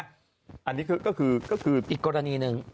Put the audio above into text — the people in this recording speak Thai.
อันนี้ก็คืออีกกรณีหนึ่ง